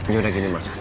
yaudah gini ma